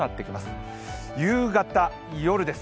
夕方、夜です。